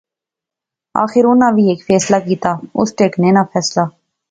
آخر انیں وی ہیک فیصلہ کیتیا اس ٹہنگے ناں فیصلہ